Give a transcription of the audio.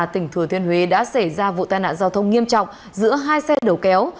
tỉnh thừa thiên huế đã xảy ra vụ tai nạn giao thông nghiêm trọng giữa hai xe đầu kéo